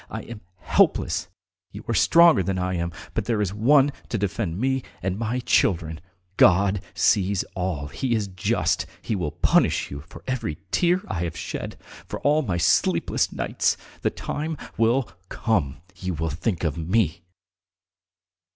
... I am helpless; you are stronger than I am, but there is One to defend me and my children! God sees all! He is just! He will punish you for every tear I have shed, for all my sleepless nights! The time will come; you will think of me!